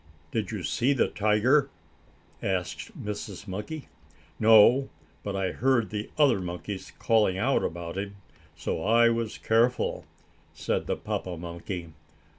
"Did you see the tiger?" asked Mrs. Monkey. "No, but I heard the other monkeys calling out about him, so I was careful," said the papa monkey.